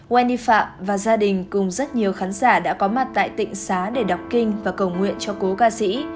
wendy phạm và gia đình cùng rất nhiều khán giả đã có mặt tại tỉnh xá để đọc kinh và cầu nguyện cho cú ca sĩ